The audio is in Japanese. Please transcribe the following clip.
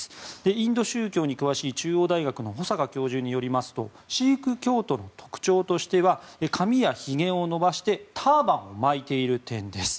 インド宗教に詳しい中央大学の保坂教授によりますとシーク教徒の特徴としては髪やひげを伸ばしてターバンを巻いている点です。